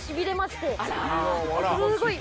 すーごい